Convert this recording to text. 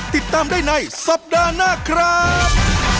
ติดตามได้ในสัปดาห์หน้าครับ